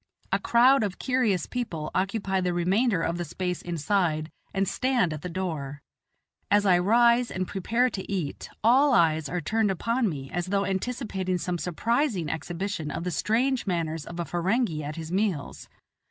A crowd of curious people occupy the remainder of the space inside, and stand at the door. As I rise and prepare to eat, all eyes are turned upon me as though anticipating some surprising exhibition of the strange manners of a Ferenghi at his meals.